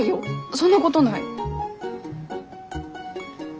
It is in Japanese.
そんなことない。